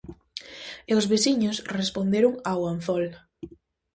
E os veciños responderon ao anzol.